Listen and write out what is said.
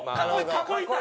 「囲いたい」？